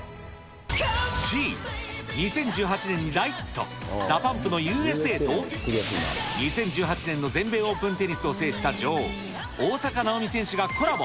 Ｃ、２０１８年に大ヒット、ＤＡＰＵＭＰのＵ．Ｓ．Ａ．と、２０１８年の全米オープンテニスを制した女王、大坂なおみ選手がコラボ。